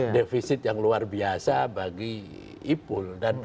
defisit yang luar biasa bagi ipul